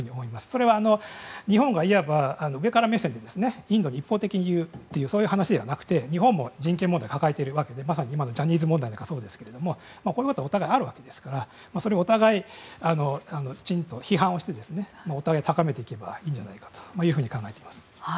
それは、日本がいわば上から目線でインドに一方的に言うという話ではなくて日本も人権問題を抱えているわけでまさに今のジャニーズ問題なんかそうですけれどもお互いにあるわけですからそれをお互い、きちんと批判してお互いを高めていけばいいんじゃないかと考えています。